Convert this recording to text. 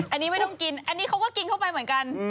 อันนี้ไม่ต้องกินอันนี้เขาก็กินเข้าไปเหมือนกัน